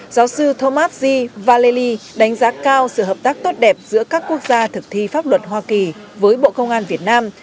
giáo sư thomas g vallely đánh giá cao sự hợp tác tốt đẹp giữa các quốc gia thực thi pháp luật hoa kỳ với bộ công an việt nam